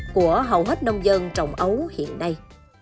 của hầu hết nông dân trồng ấu hiện nay